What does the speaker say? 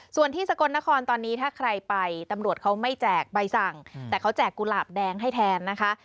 ส่วนที่สกลนครตอนนี้ถ้าใครไปตำรวจเขาไม่แจกใบสั่งแต่เขาแจกกุหลาบแดงให้แทนนะคะ